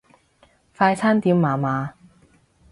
快餐店麻麻